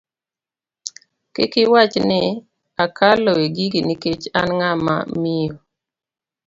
Kik iwachi ni akalo e gigi nikech an ng'ama miyo.